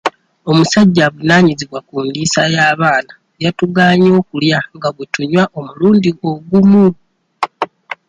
Omusajja avunaanyizibwa ku ndiisa y'abaana yatugaanye okulya nga bwe tunywa omulundi ogumu.